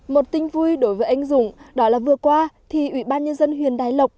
một tin vui đối với anh dũng đó là vừa qua thì ủy ban nhân dân huyền đại lộc